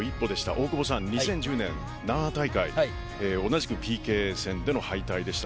大久保さん、２０１０年同じくＰＫ戦での敗退でした。